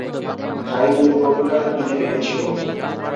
গাড়ি দূর্ঘটনা না কী জানি হয়েছিল।